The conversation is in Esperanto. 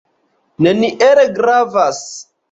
Neniel gravas.